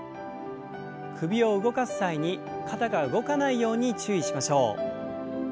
首を動かす際に肩が動かないように注意しましょう。